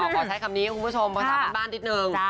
ก็ใช้คำนี้กับคุณผู้ชมเค้าสามารถบ้านนิดหนึ่ง